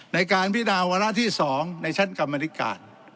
ในการพิดาววาระที่๒ในชั้นกรรมนิการ